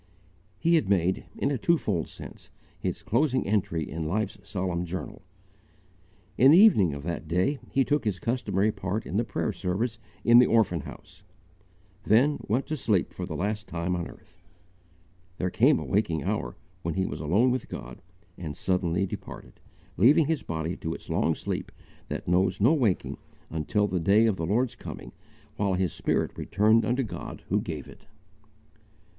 He had made, in a twofold sense, his closing entry in life's solemn journal! In the evening of that day he took his customary part in the prayer service in the orphan house then went to sleep for the last time on earth; there came a waking hour, when he was alone with God, and suddenly departed, leaving his body to its long sleep that knows no waking until the day of the Lord's coming, while his spirit returned unto God who gave it.